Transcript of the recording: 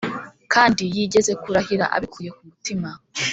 kandi (yigeze kurahira) abikuye ku mutima.